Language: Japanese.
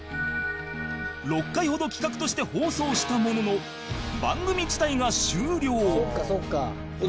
６回ほど企画として放送したものの番組自体が終了